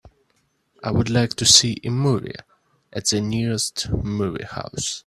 I would like to see a movie at the nearest movie house.